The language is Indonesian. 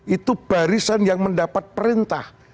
itu barisan yang mendapat perintah